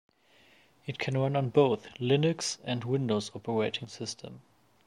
It can run on both Linux and Windows operating system.